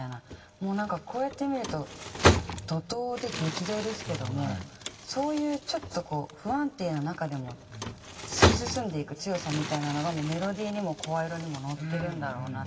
もうなんかこうやって見ると怒濤で激動ですけどもそういうちょっとこう不安定な中でも突き進んでいく強さみたいなのがメロディーにも声色にも乗ってるんだろうなって。